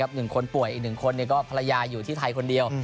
หนึ่งคนป่วยอีก๑คนก็ภรรยาอยู่ที่ไทยคนเดียว